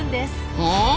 はあ？